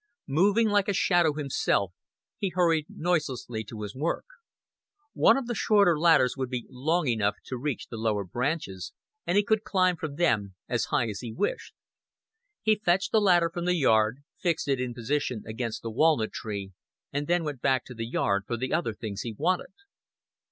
Moving like a shadow himself, he hurried noiselessly to his work. One of the shorter ladders would be long enough to reach the lower branches, and he could climb from them as high as he wished. He fetched the ladder from the yard, fixed it in position against the walnut tree, and then went back to the yard for the other things he wanted.